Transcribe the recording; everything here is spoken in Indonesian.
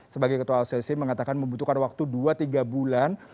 sebagai ketua asosic mengatakan membutuhkan waktu dua tiga bulan